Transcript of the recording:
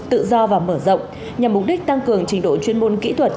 tự do và mở rộng nhằm mục đích tăng cường trình độ chuyên môn kỹ thuật